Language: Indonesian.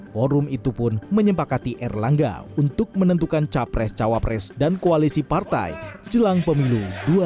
forum itu pun menyempakati erlangga untuk menentukan capres cawapres dan koalisi partai jelang pemilu dua ribu sembilan belas